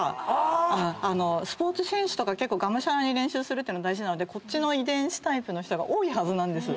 スポーツ選手とか結構がむしゃらに練習するっていうの大事なのでこっちの遺伝子タイプの人が多いはずなんです。